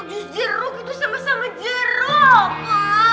biji jeruk itu sama sama jeruk